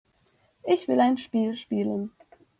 Ich will ein Spiel spielen.